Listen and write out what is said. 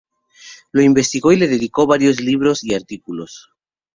Lo investigó y le dedicó varios libros y artículos.